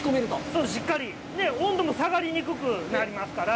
そう、しっかり、温度も下がりにくくなりますから。